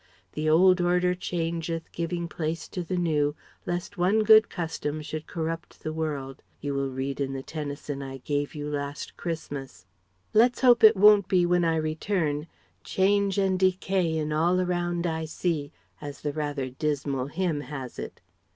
"The old order changeth, giving place to the new ... lest one good custom should corrupt the world" you will read in the Tennyson I gave you last Christmas. Let's hope it won't be when I return: "Change and Decay in all around I see" ... as the rather dismal hymn has it.